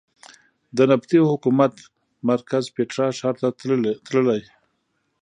د نبطي حکومت مرکز پېټرا ښار ته تللې.